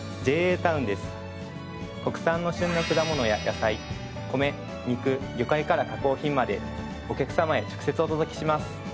国産の旬の果物や野菜米肉魚介から加工品までお客様へ直接お届けします。